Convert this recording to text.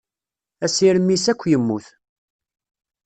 Asirem-is akk yemmut.